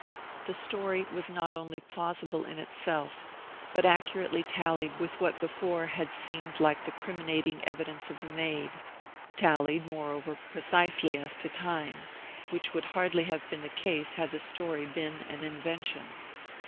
The story was not only plausible in itself, but accurately tallied with what before had seemed like the criminating evidence of the maid; tallied, moreover, precisely as to time, which would hardly have been the case had the story been an invention.